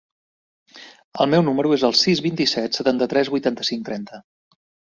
El meu número es el sis, vint-i-set, setanta-tres, vuitanta-cinc, trenta.